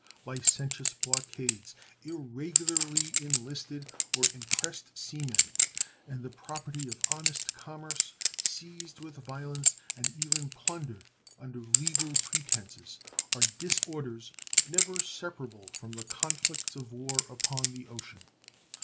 Licentious blockades, irregularly enlisted or impressed sea men, and the property of honest commerce seized with violence, and even plundered under legal pretenses, are disorders never separable from the conflicts of war upon the ocean.